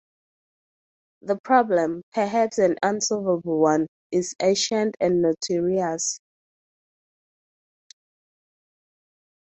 The problem, perhaps an unsolvable one, is ancient and notorious.